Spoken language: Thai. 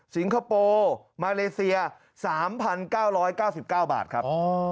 คโปร์มาเลเซีย๓๙๙๙บาทครับ